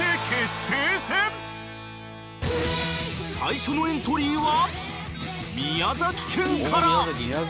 ［最初のエントリーは］